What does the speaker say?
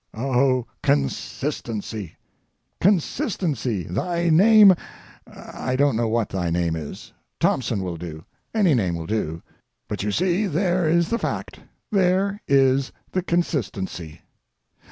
O consistency! consistency! thy name—I don't know what thy name is—Thompson will do—any name will do—but you see there is the fact, there is the consistency.